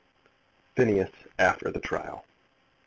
PHINEAS AFTER THE TRIAL.